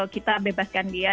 kita bebaskan dia